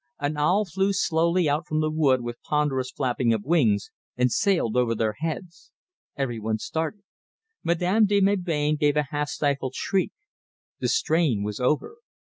An owl flew slowly out from the wood with ponderous flapping of wings, and sailed over their heads. Every one started: Madame de Melbain gave a half stifled shriek. The strain was over.